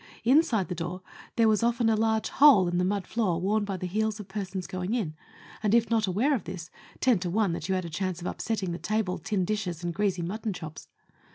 Inside the door there was often a large hole in the mud floor worn by the heels of persons going in, and, if not aware of this, ten to one that you had a chance of upsetting the table, tin dishes, and greasy mutton chops.